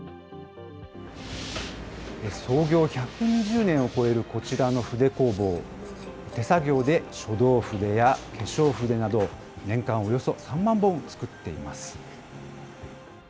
創業１２０年を超えるこちらの筆工房、手作業で書道筆や化粧筆など、年間およそ３万本作っています。